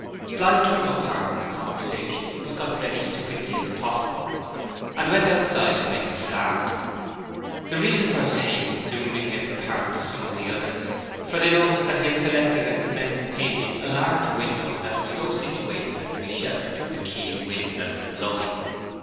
Slyme took no part in the conversation, but got ready as quickly as possible and went outside to make a start. The reason for this haste soon became apparent to some of the others, for they noticed that he had selected and commenced painting a large window that was so situated as to be sheltered from the keen wind that was blowing.